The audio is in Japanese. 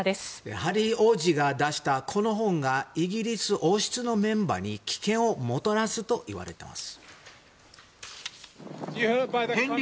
ハリー王子が出したこの本がイギリス王室のメンバーに危険をもたらすといわれています。